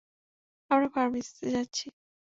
আমরা ফার্মেসিতে যাচ্ছি।